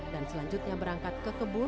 dan selanjutnya berangkat ke kebun